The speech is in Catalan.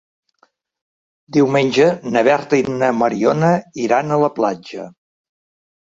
Diumenge na Berta i na Mariona iran a la platja.